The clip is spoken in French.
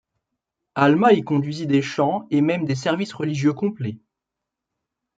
Alma y conduisit des chants et même des services religieux complets.